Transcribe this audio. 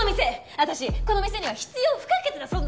私この店には必要不可欠な存在なんだから。